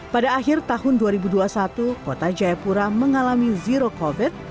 pada akhir tahun dua ribu dua puluh satu kota jayapura mengalami zero covid